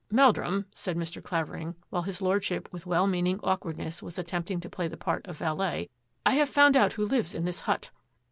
" Meldrum," said Mr. Clavering, while his Lord ship with well meaning awkwardness was attempt ing to play the part of valet, " I have found out who lives in this hut."